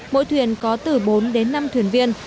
mỗi thuyền có từ bốn đến năm thuyền viên